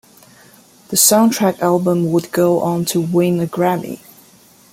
The soundtrack album would go on to win a Grammy.